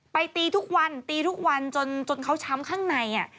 ไปตีทุกวันจนเขาช้ำข้างใน